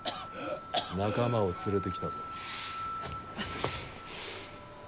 仲間を連れてきたぞ。